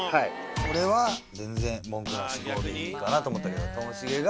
俺は全然文句なし５でいいかなと思ったけどともしげが。